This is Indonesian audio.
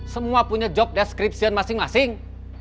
semua punya job description masing masing